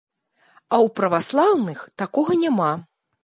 А ў праваслаўных такога няма.